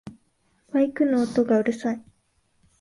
バイクの音がうるさい